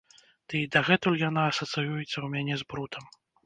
Ды і дагэтуль яна асацыюецца ў мяне з брудам.